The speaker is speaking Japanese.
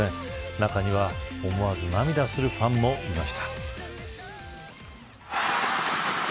中には、思わず涙するファンもいました。